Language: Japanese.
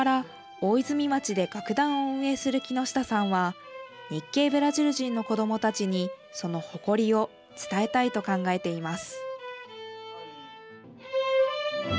大泉町で楽団を運営する木下さんは日系ブラジル人の子どもたちにその誇りを伝えたいと考えています。